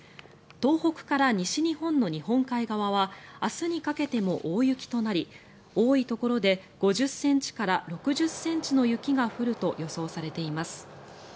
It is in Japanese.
東北から西日本の日本海側は明日にかけても大雪となり多いところで５０ｃｍから６０ｃｍの雪が降ると予想されています。